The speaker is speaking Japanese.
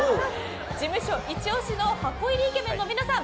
事務所イチ押しの箱入りイケメンの皆さん